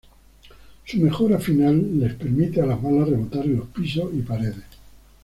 Su mejora final les permite a las balas rebotar en los pisos y paredes.